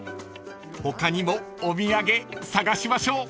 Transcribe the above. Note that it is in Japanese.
［他にもお土産探しましょう］